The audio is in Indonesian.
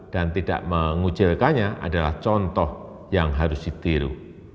dan tidak mengujelkannya adalah contoh yang harus ditiru